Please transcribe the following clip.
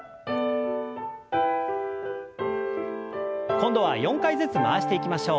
今度は４回ずつ回していきましょう。